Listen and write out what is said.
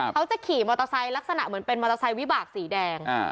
เขาจะขี่มอเตอร์ไซค์ลักษณะเหมือนเป็นมอเตอร์ไซค์วิบากสีแดง